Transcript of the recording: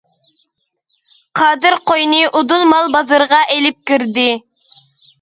قادىر قوينى ئۇدۇل مال بازىرىغا ئېلىپ كىردى.